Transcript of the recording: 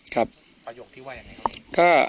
ประโยคที่ว่ายังไงครับ